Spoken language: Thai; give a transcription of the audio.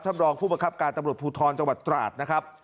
รองผู้ประคับการตำรวจภูทรจังหวัดตราดนะครับ